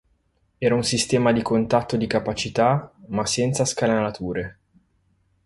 Era un sistema di contatto di capacità ma senza scanalature.